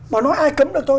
mà nói ai cấm được thôi